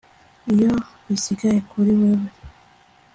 iyo bisigaye kuri wewe